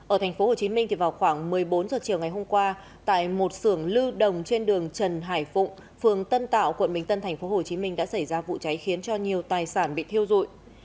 ở tp hcm vào khoảng một mươi bốn h chiều ngày hôm qua tại một sưởng lưu đồng trên đường trần hải phụng phường tân tạo quận bình tân tp hcm đã xảy ra vụ cháy khiến cho nhiều tài sản bị thiêu dụi